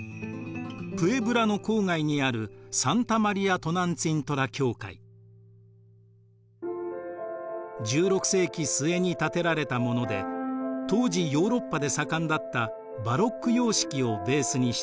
プエブラの郊外にある１６世紀末に建てられたもので当時ヨーロッパで盛んだったバロック様式をベースにしています。